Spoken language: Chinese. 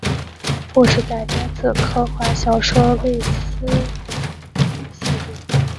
故事改编自科幻小说卫斯理系列。